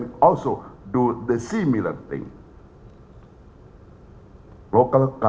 dan kita juga bisa melakukan hal yang sama